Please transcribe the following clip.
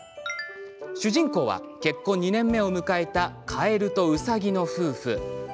主人公は結婚２年目を迎えたカエルとウサギの夫婦。